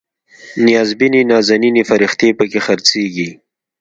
نیازبینې نازنینې فرښتې پکې خرڅیږي